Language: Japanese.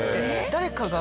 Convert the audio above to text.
誰かが。